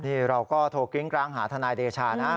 นี่เราก็โทรกริ้งกร้างหาทนายเดชานะ